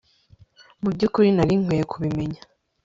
Mu byukuri nari nkwiye kubimenya